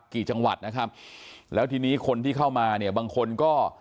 กี่จังหวัดนะครับแล้วทีนี้คนที่เข้ามาเนี่ยบางคนก็